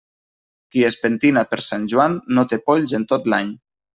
Qui es pentina per Sant Joan no té polls en tot l'any.